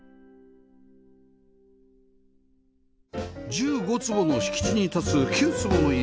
１５坪の敷地に立つ９坪の家